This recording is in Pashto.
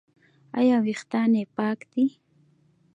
ایا ویښتان یې پاک دي؟